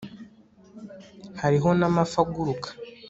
hariho n'amafi aguruka